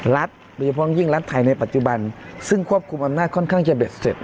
โดยเฉพาะยิ่งรัฐไทยในปัจจุบันซึ่งควบคุมอำนาจค่อนข้างจะเด็ดเสร็จ